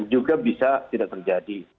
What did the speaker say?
juga bisa tidak terjadi